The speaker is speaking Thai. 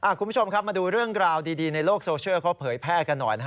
คุณผู้ชมครับมาดูเรื่องราวดีในโลกโซเชียลเขาเผยแพร่กันหน่อยนะฮะ